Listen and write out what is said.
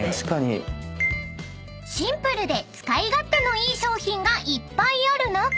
［シンプルで使い勝手のいい商品がいっぱいある中］